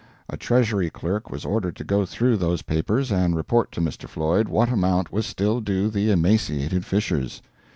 A Treasury clerk was ordered to go through those papers and report to Mr. Floyd what amount was still due the emaciated Fishers.